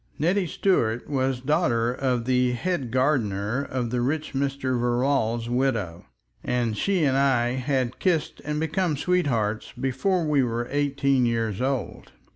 ... Nettie Stuart was daughter of the head gardener of the rich Mr. Verrall's widow, and she and I had kissed and become sweethearts before we were eighteen years old.